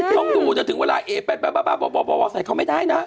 ต้องดูแต่ถึงเวลาเอ๋ไปใส่เขาไม่ได้นะ